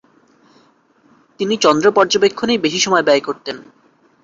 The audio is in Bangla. তিনি চন্দ্র পর্যবেক্ষণেই বেশি সময় ব্যয় করতেন।